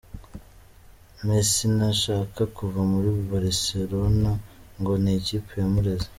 Mesi ntashaka kuva muri Baricelone ngo nikipe yamureze